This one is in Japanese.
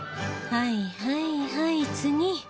はいはいはい次。